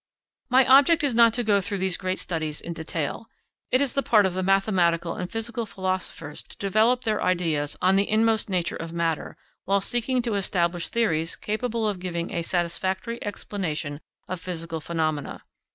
My object is not to go through these great studies in detail. It is the part of mathematical and physical philosophers to develop their ideas on the inmost nature of matter, while seeking to establish theories capable of giving a satisfactory explanation of physical phenomena.